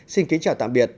xin kính chào tạm biệt